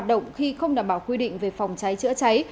quán ruby club một mươi tám không đảm bảo quy định về phòng cháy chữa cháy